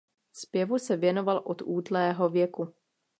Zpěvu se věnoval od útlého věku.